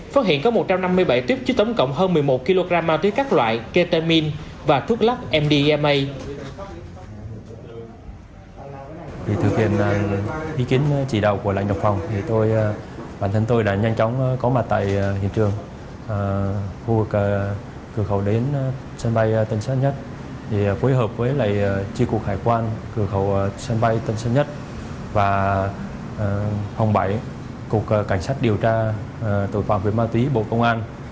phát hiện có một trăm năm mươi bảy tuyết chứ tổng cộng hơn một mươi một kg ma túy các loại ketamine và thuốc lắc mdma